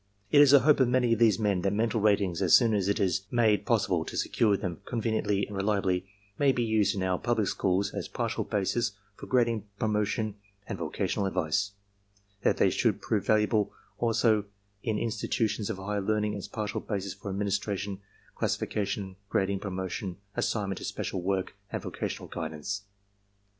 It is the hope of many of these men that mental ratings, as soon as it is made possible to secure them conveniently and reliably, may be used in our public schools as partial basis for grading, promotion and vocational advice; that they should prove valuable also in in stitutions of higher learning as partial basis for admission, classi fication, grading, promotion, assignment to special work, and. vocational guidance.